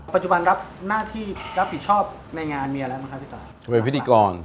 ปัจจุบันรับหน้าที่รับผิดชอบในงานมีอะไรบ้างคะพี่ตาย